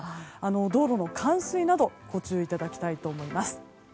道路の冠水などにご注意いただきたいと思います。